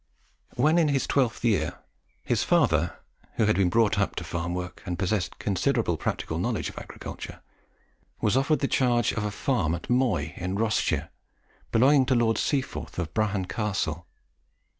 When in his twelfth year, his father, who had been brought up to farm work, and possessed considerable practical knowledge of agriculture, was offered the charge of a farm at Moy in Ross shire, belonging to Lord Seaforth of Brahan Castle.